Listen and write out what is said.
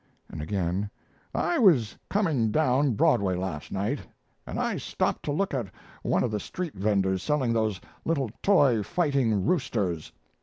And again, "I was coming down Broadway last night, and I stopped to look at one of the street venders selling those little toy fighting roosters.